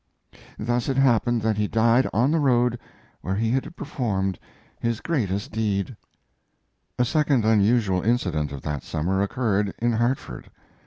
Thus it happened that he died on the road where he had performed his great deed. A second unusual incident of that summer occurred in Hartford.